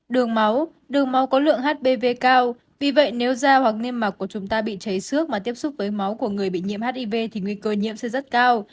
đường máu đường máu có lượng hpv cao vì vậy nếu da hoặc niêm mạc của chúng ta bị cháy xước mà tiếp xúc với máu của người bị nhiễm hiv thì nguy cơ nhiễm sẽ rất cao